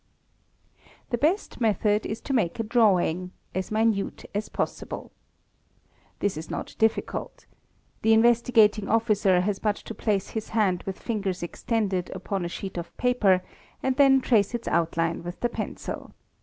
The best method is to make a drawing—as minute as_ possible. This is not difficult. The Investigating Officer has but to place his hand with fingers extended upon a sheet of paper and then trace its outline with the pencil.